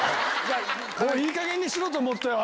いいかげんにしろ！と思ったよ